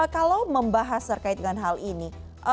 kalau membahas terkait dengan hal ini